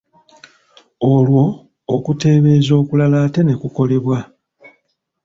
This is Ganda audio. Olwo, okuteebeeza okulala ate ne kukolebwa.